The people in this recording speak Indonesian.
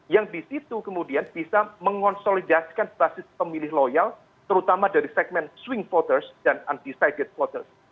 yang disitu kemudian bisa mengonsolidasikan basis pemilih loyal terutama dari segmen swing voters dan undecided voters